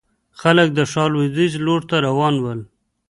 خلک د ښار لوېديځ لور ته روان ول.